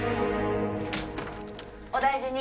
お大事に。